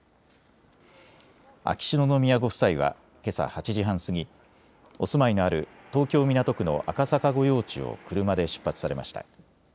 秋篠宮ご夫妻はけさ８時半過ぎ、お住まいのある東京港区の赤坂御用地を車で出発されました。